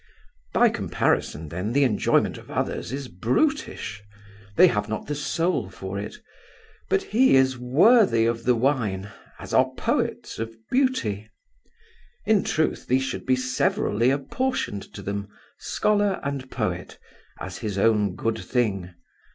By comparison, then, the enjoyment of others is brutish; they have not the soul for it; but he is worthy of the wine, as are poets of Beauty. In truth, these should be severally apportioned to them, scholar and poet, as his own good thing.